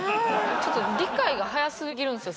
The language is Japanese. ちょっと理解が早すぎるんですよ